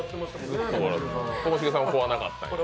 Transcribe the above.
ともしげさんは怖なかったんや。